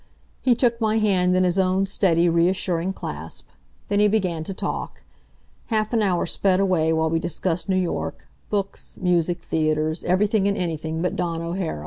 He took my hand in his own steady, reassuring clasp. Then he began to talk. Half an hour sped away while we discussed New York books music theatres everything and anything but Dawn O'Hara.